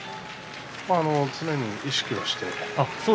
常に意識はして。